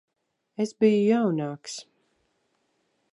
Es biju jaunāks.